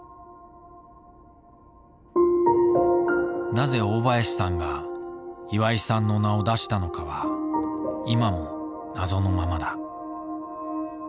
なぜ大林さんが岩井さんの名を出したのかは今も謎のままだ。